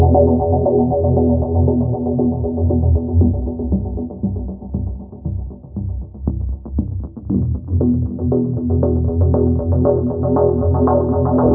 yang semaren diramai itu belum mengenal